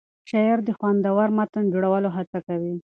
شاعر د خوندور متن جوړولو هڅه کوي.